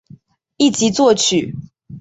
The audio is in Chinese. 一级作曲。